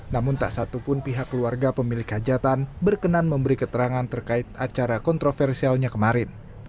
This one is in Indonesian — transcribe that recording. namun tak satupun pihak keluarga pemilik hajatan berkenan memberi keterangan terkait acara kontroversialnya kemarin